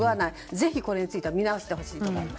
ぜひ、これについては見直してほしいと思います。